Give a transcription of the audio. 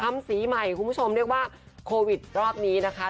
สีใหม่คุณผู้ชมเรียกว่าโควิดรอบนี้นะคะ